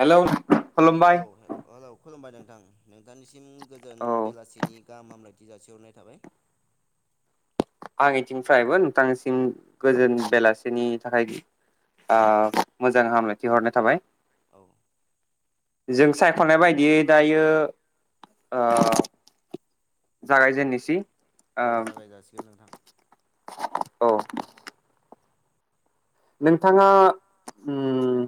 Hello औे खुलुमबाय हे हेलौ खुलुमबाय नों थां नोंथांनिसिम गोजोन औ बेलासिनि गाहाम हामलाय थि जाासेहरनाय थाबाय। आंनिथिंफ्रायबो नोंथांनिसिम गोजोन बेलासिनि थाखाय आ मोजां हामलायथि हरनाय थाबाय। औ जों सायख'नाय बायदियै दायो ओ जागायजेननिसै औ जागाय जासिगोन नोंथां। औ नोंथाङा उम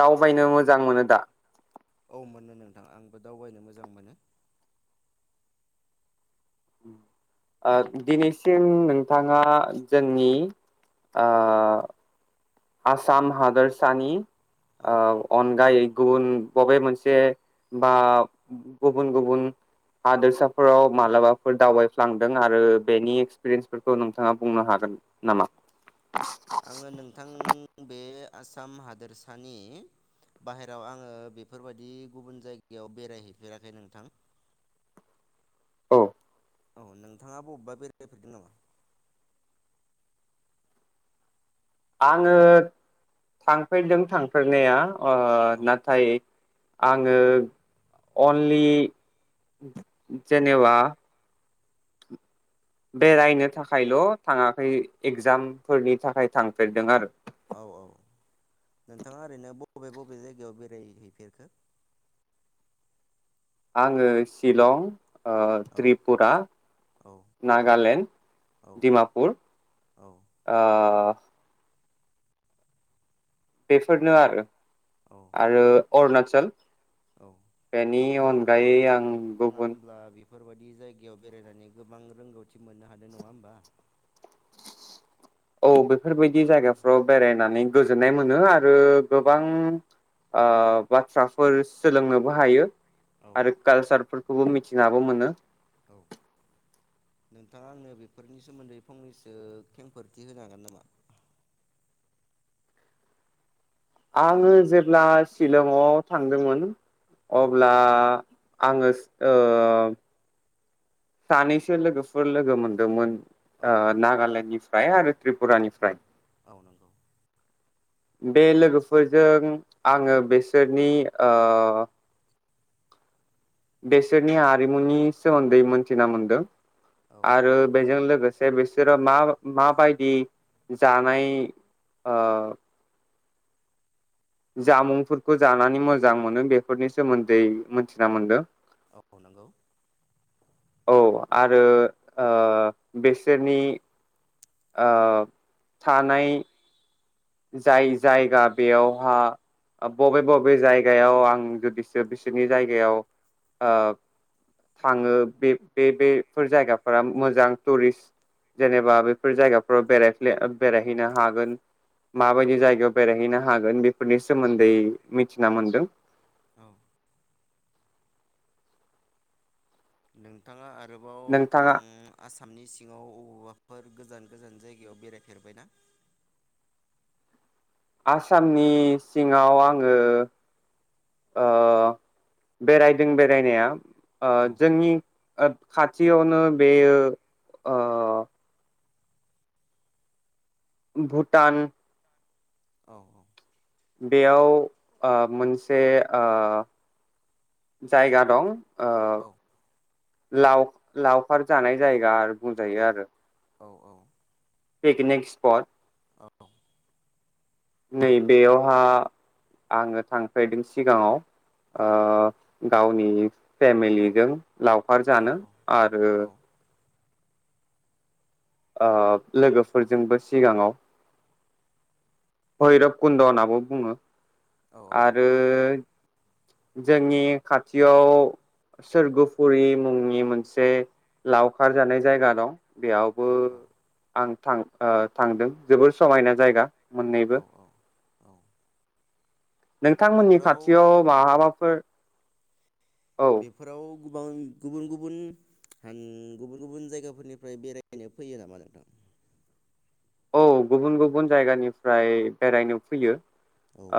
दावबायनो मोजां मोनो दा? औ मोननो नोंथां आंबो दावबायनो मोजां मोनो। ओ दिनैसिम नोंथाङा जोंनि आ आसाम हादोरसानि औ आ अनगायै गुबुन बबे मोनसे बा गुबुन गुबुन हादोरसाफोराव मालाबाफोर दावबायफ्लांदों आरो बेनि एक्सपिरियेन्सफोरखौ नोंथाङा बुंनो हागोन नामा? थां बे बे आसाम हादोरसानि बाहेराव आङो बेफोरबायाददि गुबुन जायगायाव बेरायहैफेराखै नोंथां। औ औ नोंथांङा बबेबा बेरायफेरदों नामा? आङो थांफेरदों थांफेरनाया ओ औ नाथाय आङो अनलि जेनेबा बेरायनो थाखायल' थाङाखै एगजामफोरनि थाखाय थांफेरदों आरो औ औ नोंथाङा ओरैनो बबे बबे जायगायाव बेरायहैफेरखो आङो शिलं ओ औ त्रिपुरा नागालेण्ड औ दिमापुर औ बेफोरनो आरो औ आरो अरुणाचल औ बेनि नोंथाङा उम अनगायै आं नोंथाङा गुबुन होमब्ला बि बेफोरबाददि जायगायाव बेरायनानै गोबां रोंगौथि मोननो हानाय नङा होमबा औ बेफोरबायदि जायगाफ्राव बेरायनानै गोजोननाय मोनो आरो औ गोबां ओ बाथ्राफोर सोलोंनोबो हायो औ आरो काल सारफोर खौबो मिथिनाबो मोनो औ नोंथांङा आंनो बेफोरनि सोमोन्दै फंनैसो खेंफोरथि होनो हागोन नामा? आङो जेब्ला शिलंआव थांदोंमोन औ अब्ला आङो ओ सानैसो लोगोफोर लोगो मोनदोंमोन औ औ ओ नागालेण्डनिफ्राय आरो त्रिपुरानिफ्राय औ नंगौ बे लोगोफोरजों आङो बेसोरनि ओ बेसोरनि आरिमुनि सोमोन्दै मोनथिना मोनदों औ आरो बेजों लो लोगोसे बिसोरो मा माबायदि जानाय ओ जामुंफोरखौ जानानै मोजां मोनो बेफोरनि सोमोन्दै मिथिना मोनदों औ नंगौ औ आरो ओ बेसोरनि ओ थानाय जाय जायगा बेयावहा बबे बबे जायगायाव आं जुदिसो बिसोरनि जायगायाव ओ थाङो बे बे बे फोर जायगाफोरा मोजां थुरिस जेनेबा बे बेफोर जायगाफोराव बेराय बेरायहैनो हागोन औ माबायदि जायगायाव बेरायहैनो हागोन बेफोरनि औ सोमोन्दै मिथिना मोनदों औ नोंथाङा आरो गोबाव नोंथाङा उम आसामनि सिङाव अबेबा फोर गोजान गोजान जायगायाव बेरायफेरबायनाा आसामनि सिङाव आङो ओ बेरायदों बेरायनाया ओ औ जोंनि खाथियावनो बेयो भुटान औ औ बेयाव ओ मोनसे ओ जायगा दं ओ औ लाव लावखार जानाय जायगा आर बुंजायो आरो। औ औ पिकनिक स्पट औ नै बेयावहा आङो थांफेरदों सिगाङाव। औ ओ गावनि फेमिलिजों लावखार औ जानो आरो ओ लोगोफोरजोंबो सिगाङाव भैर'ब कुन्द'नाबो बुङो। औ आरो जोंनि खाथियाव सोर्गोफुरि मुंनि मोनसे लावखार जानाय जायगा दं। बेयावबो औ आं थां ओ थांदों जोबोर समायना जायगा औ मोननैबो। औ नोंथांमोननि बेफोराव खाथियाव माबाफोर औ बेफोराव [unintelligible] गुबुन गुबुन [unintelligible] गुबुन गुबुन जायगाफोरनिफ्राय बेरायनो फैयो नामा नोंथां? औ गुबुन गुबुन जायगानिफ्राय बेरायनो फैयो।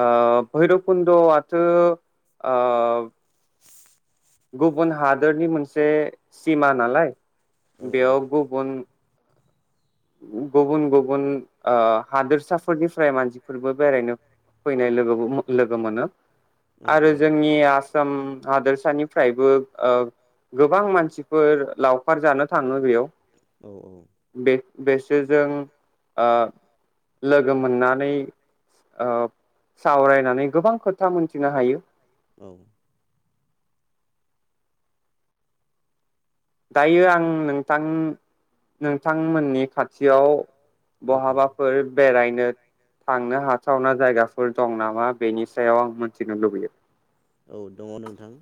औ भैरोब खुन्द' आथो आब गुबुन हादोरनि मोनसे सिमा नालाय औ बेयाव गुबुन गुबुन गुबुन ओ हादोरसाफोरनि फ्राय मानसिफोरबो बेरायनो फैनाय लोगोबो मो लोगो मोनो। औ आरो जोंनि आसाम हादोरसानिफ्रायबो ओ गोबां मानसिफोर लावखार जानो थाङो बेयाव औ बे बेसोरजों ओ लोगो मोननानै ओ सावरायनानै गोबां खोथा मोन थिनो हायो। औ दायो आं नोंथां नोंथांमोननि खाथियाव बहाबाफोर बेरायनो थांनो हाथावना जायगाफोर दं नामा बेनि सायाव आं मिथिनो लुबैयो। औ दङ नोंथां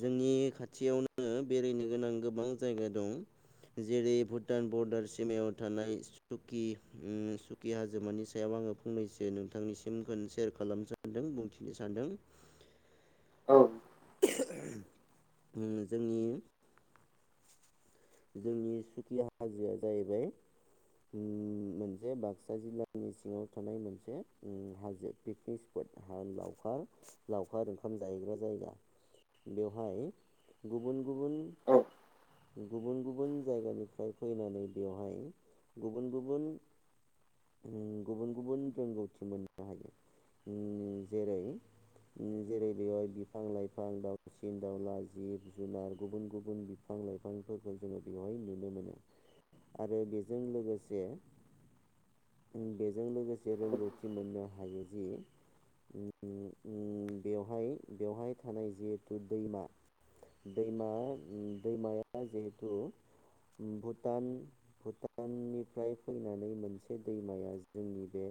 जोंनि खाथियाव नो बेरायनो गोनां गोबां जायगा दं जेरै भुटान बर्डार सिमायाव थानाय सुकि ओ सुकि हाजोमानि सायाव आङो फंनैसो नोंथांनि सिमखौ सेयार खालाम सानदों बुंथिनो सानदों। औ ओ जोंनि जोंनि सुखि हाजोआ जाहैबाय उम मोनसे बाक्सा जिल्लानि सिङाव थानाय मोनसे उम हाजो पिकनिक स्पट हा लावखार लावखार ओंखाम जाहैग्रा जायगा बेवहाय गुबुन गुबुन गुबुन गुबुन जायगानिफ्राय फैनानै बेवहाय गुबुन गुबुन गुबुन गुबुन रोंगौथि मोननो हायो उम जेरै उम जेरै बेवहाय बिफां लाइफां दाउसिन दाउला जिब जुनार गुबुन गुबुन बिफां लाइफां फोरखौ जों बेवहाय नुनो मोनो आरो बेजों लोगोसे उम बेजों लोगोसे रोंगौथि मोननो हायोजि उम उम उम बेवहाय बेवहाय थानाय जिहेतु दैमा दैमा उम दैमा दा जिहेतु उम भुटान भुटाननिफ्राय फैनानै मोनसे दैमाया जोंनि बे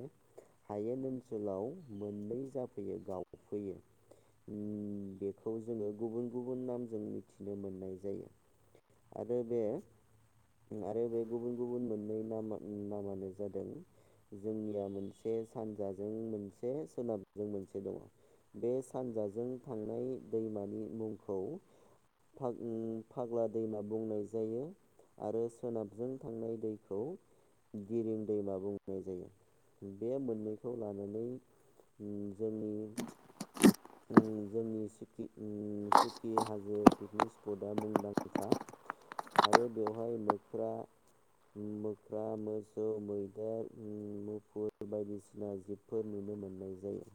हायेन ओनसोलाव मोननै जाफैयो गावफैयो उम बेखौ जोङो गुबुन गुबुन नामजों मिथिनो मोननाय जायो। आरो बे आरो बे गुबुन गुबुन मोननै नामा नामानो जादों जोंनिया मोनसे सानजाजों मोनसे सोनाबजों मोनसे दङ बे सानजाजों थांनाय दैमानि मुंखौ फा फाग्ला दैमा बुंनाय जायो आरो सोनाबजों थांनाय दैखौ गिरिं दैमा बुंनाय जायो बे मोननैखौ लानानै जोंनि उम जोंनि उम सुकि हाजो पिकनिक स्पटआ मुंदांखा आरो बेवहाय मोख्रा मोख्रा मोसौ मैदेर उम मुफुर बायदिसिना जिबफोर नुनो मोननाय जायो।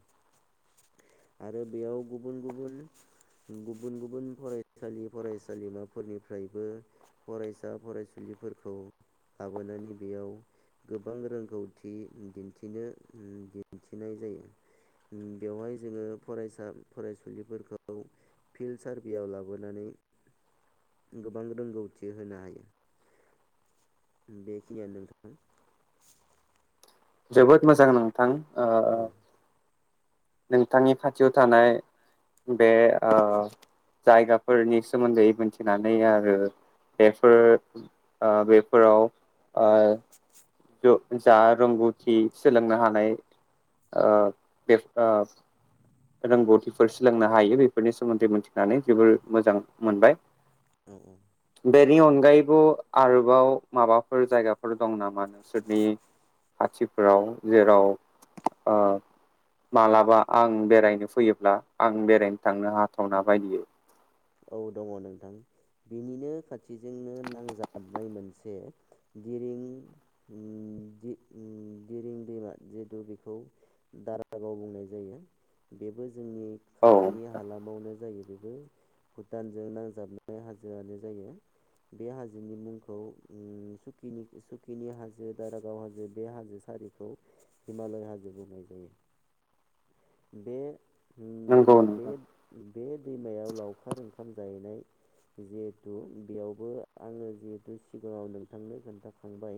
आरो बेयाव गुबुन गुबुन गुबुन गुबुन फरायसालि फरायसालिमाफोरनिफ्रायबो फरायसा फरायसुलिफोरखौ लाबोनानै बेयाव गोबां रोंगौथि दिन्थिनो दिन्थिनाय जायो उम बेवहाय जोङो फरायसा फरायसुलिफोरखौ फिल्ड सारभेयाव लाबोनानै गोबां रोंगौथि होनो हायो बेखिनियानो नोंथां। जोबोद मोजां नोंथां। औ औ। नोंथांनि खाथियाव थानाय बे जायगाफोरनि सोमोन्दै मिथिनानै आरो बेफोर ओ बेफोराव आ जा रोंगौथि सोलोंनो हानाय ओ बे ओ रोंगौथिफोर सोलोंनो हायो बेफोरनि सोमोन्दै मोनथिनानै जोबोर मोजां मोनबाय। औ औ। बेनि अनगायैबो आरोबाव माबाफोर जायगाफोर दं नामा नोंसोरनि खाथिफोराव जेराव ओ मालाबा आं। बेरायनो फैयोब्ला आं बेरायनो थांनो हाथावना बायदियै। औ दङ नोंथां बिनिनो खाथिजोंनो नांजाबनाय मोनसे दिरिं दिरिं दैमा जिेतु बेखौ दारागाव बुंनाय जायो बेबो। जोंनि औ खाथिनि हालामावनो जायो। बेबो। भुटानजों नांजाबनाय हाजोआनो जायो बे हाजोनि मुंखौ स सुकिनि हाजो दारागाव हाजो बे हाजो सारिखौ हिमालय हाजो बुंनाय जायो बे नंगौ नोंथां बे बे दैमायाव लावखार ओ जैनाय जिथु बेयावबो आङो जिहेथु सिगाङाव नोंथांनो खोन्थाखांबाय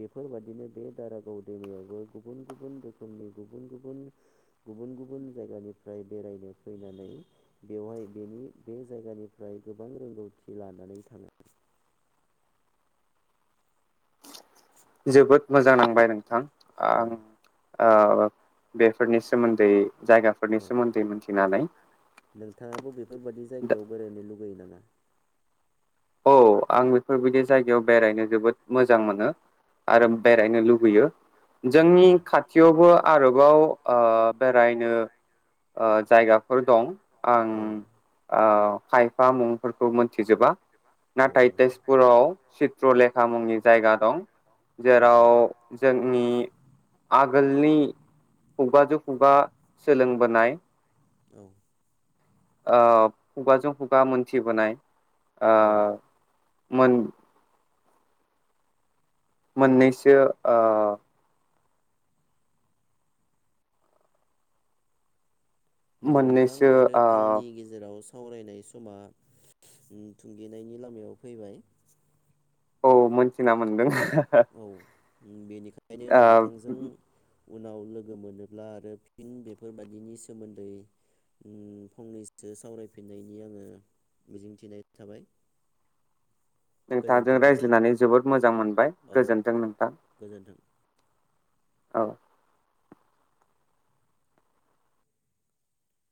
बेफोरबादिनो बे दारागाव दैमायावबो गुबुन गुबुन रोखोमनि गुबुन गुबुन गुबुन गुबुन जायगानिफ्राय बेरायनो फैनानै बेवहाय बेनि बे जायगानिफ्राय गोबां रोंगौथि लानानै थाङो। जोबोद। मोजां नांबाय नोंथां औ आं ओ। बेफोरनि सोमोन्दै जायगाफोरनि औ सोमोन्दै मिथिनानै नोंथाङाबो बेफोरबायादि जायगायाव बेरायनो लुबैयो! लुबै नामा। औ आं बेफोरबायदि जायायाव बेरायनो जोबोद मोजां मोनो आरो औ बेरायनो लुबैयो जोंनि खाथियावबो आरोबाव रायनो ओ जायगाफोर दं आं औ ओ। फाइ फा मुंफोरखौ मोनथिजोबा औ नाथाय तेजपुराव चित्र लेखा मुंनि जायगा दं औ जेराव जोंनि आगोलनि खुगाजौ खुगा बा सोलोंबोनाय औ। ओ खुगाजों खुगा मोनथिबोनाय। ओ। औ मोन मोननैसो ओ। नोंथां मोननैसो आरो ओ आंनि गेजेराव सावरायनाय समा थुंगेनायनि लामायाव फैबाय औ मोनथिना मोनदों [inaudible] औ बेनिखायनो नोंथांजों ओ उनाव लोगो मोनोब्ला आरो फिन बेफोरबादिनि सोमोन्दै फंनैसो सावरायफिननायनि आङो मिजिंथिनाय थाबाय नोंथांजों गोजोन्थों नोंथां रायज्लायनानै जोबोद मोजां मोनबाय औ गोजोन्थों नोंथां गोजोन्थों औ